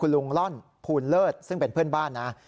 ลุงล่อนภูลเลิศซึ่งเป็นเพื่อนบ้านนะ